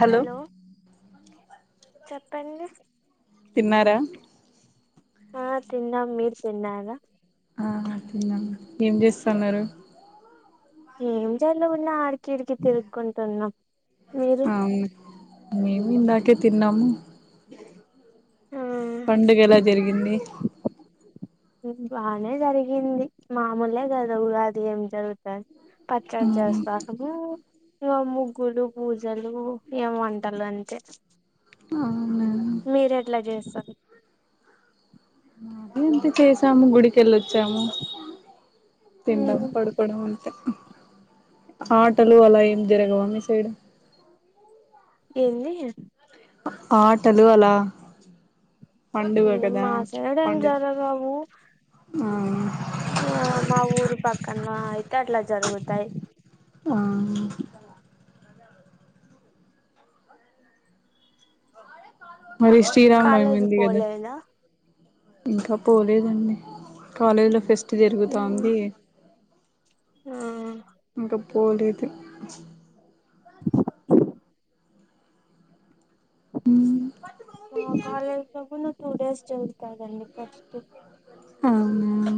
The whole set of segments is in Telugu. హలో చెప్పండి తిన్నార ఆ తిన్నాం మీరు తిన్నార ఆ తిన్నాం ఏం చేస్తాన్నారు ఏంజేయలేదన్నా ఆడికి ఇడికి తిరుక్కుంటున్నాం మీరు అవున మేము ఇందాకె తిన్నాము మ్ ఆ పండుగ ఎలా జరిగింది బానే జరిగింది మామూలే కదా ఉగాది ఏం జరుగుతది పచ్చడి చేస్తాము ఇగ ముగ్గులు పూజలు ఏం వంటలు అంతే అవునా మీరు ఎట్లా చేస్తా అంత చేసాము గుడికెళ్ళొచ్చాము ఉమ్ తిండం పడుకోవడం ఆటలు అలా ఏం జరగవా మీ సైడ్ ఏంది ఆటలు అలా పండుగ ఏం కదా మాసేడ ఏం జరగవు ఆవు మా ఊరు పక్కన ఆయి తే అట్లా జరుగుతాయి ఆ మరి శ్రీరామనవమి కాలేజీ ఉంది కదా పోలేదా కాలేజ్ లో ఫెస్ ట్ ఉమ్ జరుగుతోంది ఆ పోలేదు మా కాలేజీ లో గుణా టూడేస్ చదువుతదండి ఫస్ట్ అవునా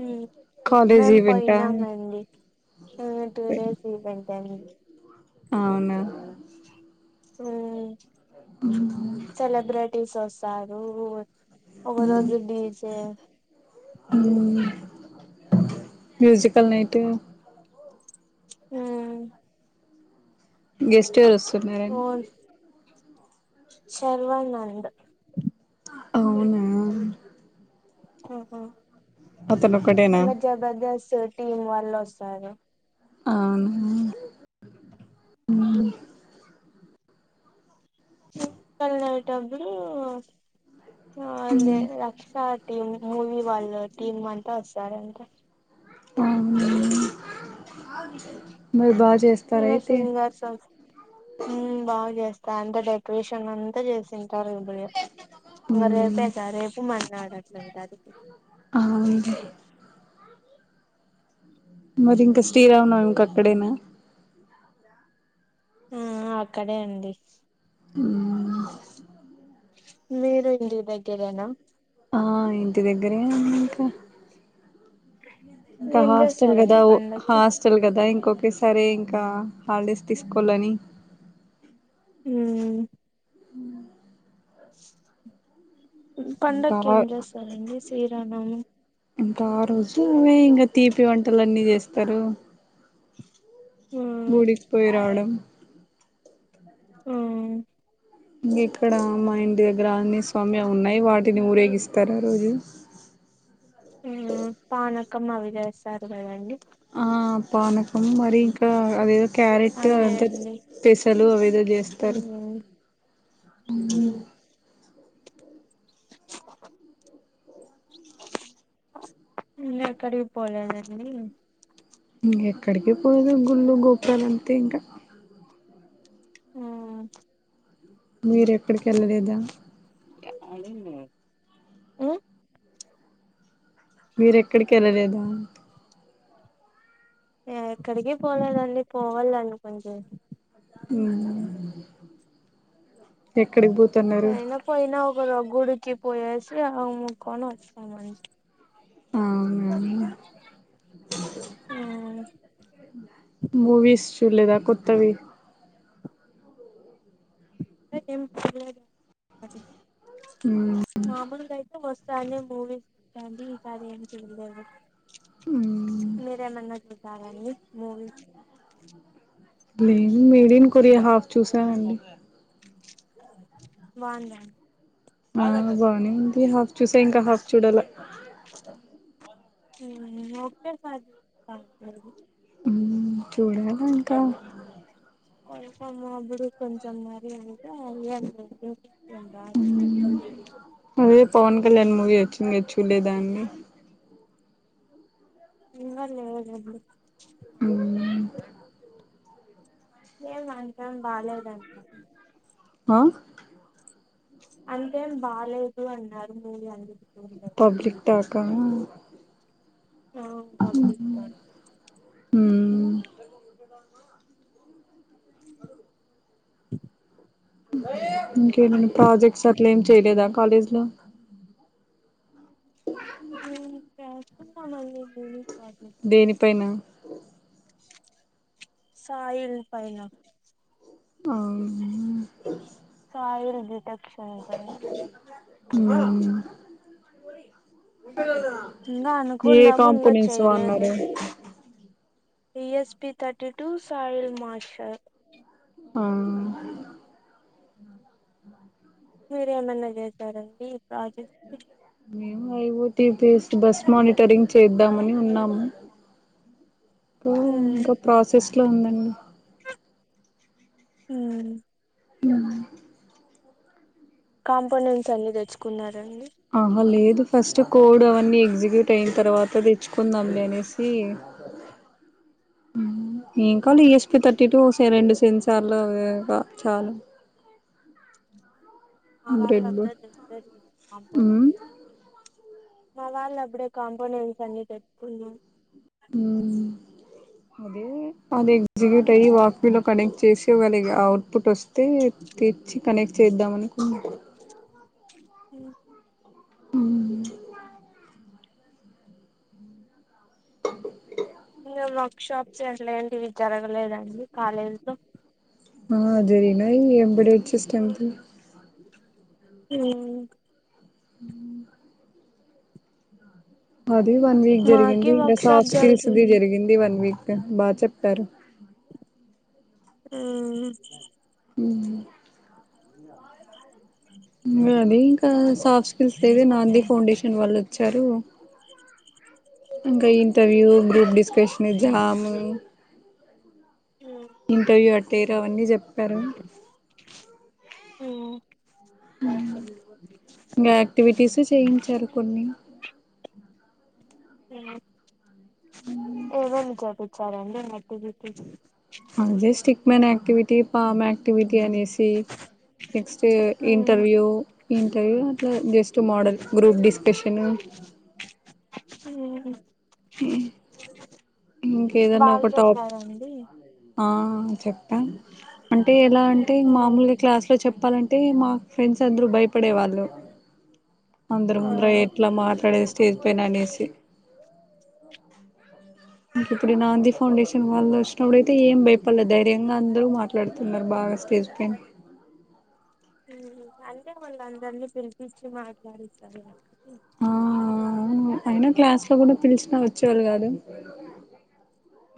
మ్మ్ కాలేజ్ మేము ఈవెంటా పోయినామండి టూ డేస్ ఇవెంటండి అవునా మ్మ్ సెలబ్రిటీస్ వస్ చారు రూవేచ్ ఒక రోజుడీజే మ్మ్ మ్యూజికల్ నైటు హ్మ్ గెస్ట్ హౌస్ ఓ [unintelligible] శర్వానంద్ అవునా ఓహో అతను ఒకటేనా ఈమధ్య బజాస్ టీమ్ వాళ్ళు వస్ టార అవును హ్మ్ వస్తన్నయ్ డబ్బులు అదే రక్ష టీమ్ మూవీ వాళ్ళ టీమ్ అంతా వస్తారంట అవును మరి బా చేస్తస్త ఇంకా రయితే సింగర్స్ దాంత డెకొరేషన్ అంతా చేసింది ఇంక మ్మ్ రేపే గా రేపు మన్నడట్లేంటది అవునండి మరి ఇంక శ్రీ రామనవమి కి అక్కడేనా ఆ అక్కడే అండి ఆ మీరు ఇంటి దగ్గరేనా ఆ ఇంటి దగ్గరే ఇంకా ఇంకా ఏం హాస్టెల్ కదా చేస్తారండి పండక్కి హాస్టెల్ కదా ఇంకా ఇంకొకే సారి ఇంకా హాలిడేస్ తీసుకోవాలని హ ఇంకా పండకు ఏం చేస్తారండి శ్రీరానము ఇంకా ఆ రోజులువే ఇంకా తీపి వంటలు అన్నీ చేస్తారు గుడికిపోయి రాడం అ ఆ ఇంక ఇక్కడ మా ఇంటి దగ్గర అన్ని స్వామ్య ఉన్నాయి వాటిని ఊరేగిస్తారు ఆ రోజు ఆ పానకమ అవిలేేశారు కదండి అదే క్యారెట్ అదే అదంతా అండి పెసలు అవిదో ఉ చేస్తారు ఇక్కడ పోలేదీ ఎక్కడికి పోము గుళ్ళు గోపురాల అంతే ఇంక ఓ మీర ఎక్కడికి ఎళ్ళలేద హ్మ్ మీర్ ఎక్కడికి ఎళ్ళలేదా ఎక్కడికి పోలేదండి పోవాల్ అనుకుంటే హ్మ్ పెట్ ఏయినా పోయిన ఒక ర గుడుకి పోయేసి ఆ ముకోని వస్ [unintelligible] అవును అని ఏం మూవీస్ చూడలేదా కొత్తవి కొత్తవి ఏం చూడలేద్ మగాయితే వస్ తనే మూవీస్ చూస్తంటి ఈ సారి ఏం చూడలేదు మీరేమన్నా చూసారండి మూవీస్ లే మేడ్ ఇన్ కొరియా హాఫ్ చూసానండి బాంద అ బానే ఉంది హాఫ్ చూసా ఇంకా హాఫ్ చూడల హ్మ్ ఓకే మరి హ్మ్ చూడాల ఇంకా కొ అప్పుడు కొంచెం మరి అంటె అ ఇంగాదు అదే పవన్ కళ్యాణ్ మూవీ వచ్చింది చూళ్ళేదాన్ని ఇవ్వాళ ఏడి ఏం అంటాం బాలేదంట ఆ అంతేం బాలేదు అన్నారు మూవీ అందుకు చూడలేదు పబ్లిక్ దాకా ఆ పబ్లిక్ దాకా ఇంకేమైనా ప్రాజెక్ట్స్ అట్లా ఏం చేయలేదా కాలేజీ లో హ్మ్ ఇంకా [unintelligible] నీకు దేనిపైన సాయిల్ పైన ఆ సాయిల్ బిటెక్ హ్మ్ ఇంగా ఏ అనుకున్నాము ఇంగా కాంపోనెంట్స్ వాడినారు ఈ E స్పిి thirty two soil moisture ఆ మీరేమన్నా చేసారండి ఈ ప్రాజెక్ట్ మేము I O T base bus monitoring చేద్దామని ఉన్నాము పూ ఉమ్ ఇంకా ప్రాసెస్ అట్లా ఉందండి హ [unintelligible] కాంపోనెంట్స్ అన్ని తెచ్చుకున్నారు ఆహ లేదు ఫస్ట్ కోడ్ అవన్నీ ఎగ్జిక్యూట్ అయిన తర్వాత తెచ్చుకుందాంని అనేసి ఏం కాాల ఈఎస్పి థర్టీ టూ రెండు సెన్సార్లు చాలు మా వారు బ్రెడ్ ఉమ్ [unintelligible] మా వాళ్ళ అప్పుడే కాంపోనెంట్స్ అన్ని తెచ్చుకున్నారు అదే అది ఎగ్జిక్యూట్ అయ్యి వాక్వీలో కనెక్ట్ చేసి వాళ అవుట్పుట్ వస్తే తెచ్చి కనెక్ట్ చేద్దాం అనుకున్నా అ అ [unintelligible] ఇంగ వర్క్ షాప్స్ ఎట్లా ఏంటి ఇవి జరగలేదండి కాలేజీలో ఆ జరిగినాయి ఎంబడ [unintelligible] అ ఊ.... అది వన్ వీక్ మాకి జరిగింది. ఇంకా వర్క్ షాప్ సాఫ్ట్ స్కిల్స్ జరిగింది వన్ వీక్ బాగా చెప్ క్కరు ఊఊ ఊ ఇంకా [unintelligible] సాఫ్ స్కిల్స్ కి నాంది ఫాౌంండేషన్ వాళ్ళు చరువు ఇంకా ఇంటర్వూ గ్రూప్ డిస్క్.. కృష్ణజామ్ ఉమ్ ఇంటర్యూ అటు పటేరు అవన్నీ చెప్పు రు ఊ ఊ ఇంకా యాక్టివిటీస్ చేయించారు కొన్ని ఆ ఉ ఏమేమి చెప్పిచ్చారు అండి యాక్టివిటీస్ అ జస్టీ మేనక్టివిటీ, పామక్టివిటీ ఒకే అనేసి next interview interview just model group discussion ఉ ఇం ఇంకేదన్నా బాగా ఒక టాప్ చెప్పారండి ఆ అ చెప్ అం అంటే ఎలా అంటే మామూలుగా క్లాస్ లో చెప్ప చెప్పాలంటే మా ఫ్రెండ్స్ అందరు భయపడేవాళ్ళు అందరి ఆ ముందర ఎట్లా మాట్లాడే స్టేజ్ పైన అనేసి ఇంక ఇప్పుడు నాంది ఫౌండేషన్ వాళ్ళు వచ్చినప్పుడయితే ఏం భయపడల ధైర్యంగా అందరు మాట్లాడుతున్నారు బాగా స్టేజ్ పైన ఊ అంతే వాళ్లు అందరిని పిలిపించి మాట్లాడిస్తరు. ఆఆఆ ఆ అయినా క్లాస్ లో కూడా పిలిచిన వచ్చేవాళ్ళు కాదు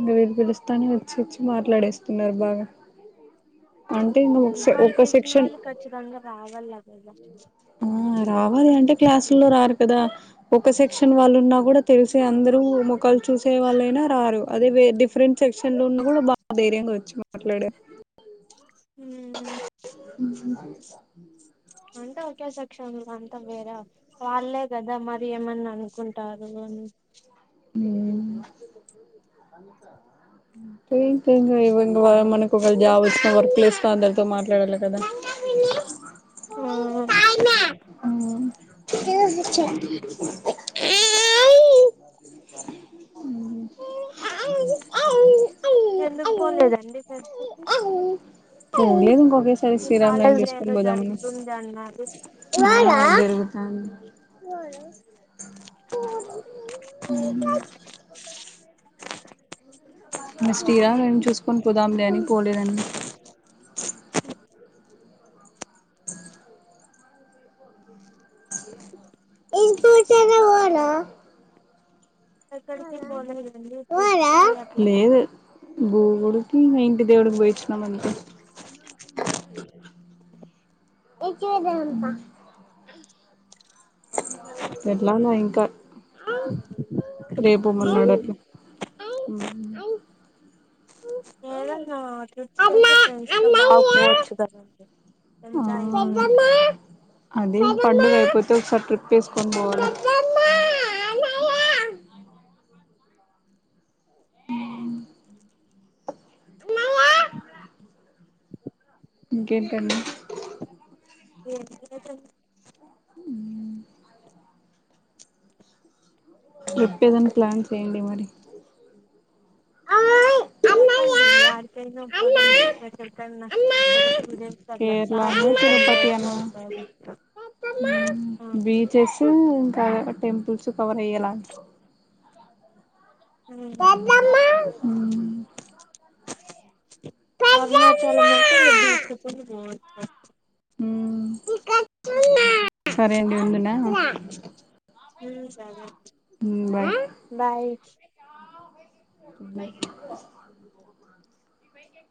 గ గలిస్తా [unintelligible] చచ్చి మాట్లాడేస్తున్నారు బాగా అంటే ఇంక ఉ ఒక వాళ్ళు ఒక పిలిచిన సెక్షన్ వాళ్ళు ఖచ్చితంగా రావాల లేదా [unintelligible] ఆ రావాలంటే క్లాసుల్లో రారు. కదా ఒక సెక్షన్ వాళ్ళున్నా కూడా తెలిసి అందరూ ముఖాలు చూసే వాళ్ళైనా రారు అదే వె డిఫరెంట్ సెక్షన్ లో ఉన్నా కూడా బా ధైర్యంగా వచ్చి మాట్లాడ హ [inaudible] అంటే ఒకే సెక్షన్ అంతా వేర వాళ్లే కదా మరి ఏమన్నా అనుకుంటారు అని ంకా ఇం [unintelligible] మనకి ఒకేళ జాబ్ వచ్చిన వర్క్ ప్లేస్లొ అందరితో మాట్లాడాలి కదా ఆ [unintelligible] [unintelligible] ఎందుకు పోలేదండి [unintelligible] పరిస్థితి ఏంలేదు ఇంకో ఈ కాలేజ్ ఏదో జరుగుతుంది అన్నారు ఆ జరుగుతాంది అ మ స్టీరా చూసుకొని పోదాంలే అని పోలేదండి [unintelligible] ఇ జదానా [unintelligible] ఎక్కడికి పోలేదడి ఫ్రిడ్జ్కి అట్లా గు గుడికి ఇక ఇంటి దేవుడికి పోయివచ్చినమ్ అంతే ఎట్లాన్నా ఇంకా రేపు మర్నాడట్ల వు నా ట్రిప్స్ అయితే [unintelligible] ఫ్రెండ్స్ తో బాగా ఆ పోవచ్చు కదండి ఎంజాయ్గా ఉంటాం అదే పండుగ పోతే ఒకసారి ట్రిప్ వేసుకొని పోవాలి [unintelligible] ఇంకేంటండి ఏ ఉ చెప్పేదనా ప్లాన్ చేయండి మరి చెప్పండి ఆర్కైను మద చెతన్నా కేరళ తిరుపతి అట్లా అన్న వస్తది బీచెస్ ఇంకా టెంపుల్సు కావ లా ఎద్దమ్మా ఆ అరుణాచలం అయితే ఇగ బీచ్ లో కూడ బాగుంది అఓ సరే అండి ముందునా ఉ సరే బాయ్ బాయ్